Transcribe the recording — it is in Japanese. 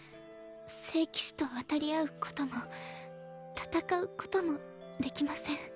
聖騎士と渡り合うことも戦うこともできません。